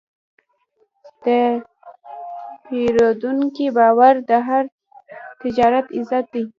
د پیرودونکي باور د هر تجارت عزت دی.